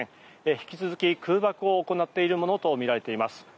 引き続き空爆を行っているものとみられています。